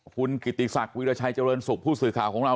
คุณกิติศักดิราชัยเจริญสุขผู้สื่อข่าวของเรา